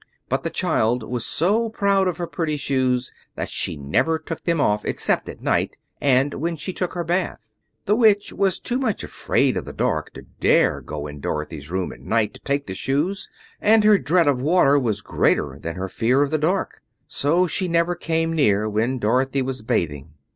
But the child was so proud of her pretty shoes that she never took them off except at night and when she took her bath. The Witch was too much afraid of the dark to dare go in Dorothy's room at night to take the shoes, and her dread of water was greater than her fear of the dark, so she never came near when Dorothy was bathing.